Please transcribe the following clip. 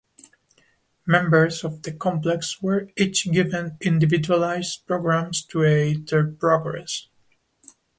Members of the complex were each given individualized programs to aid their progress.